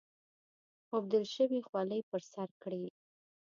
اوبدل شوې خولۍ پر سر کړي.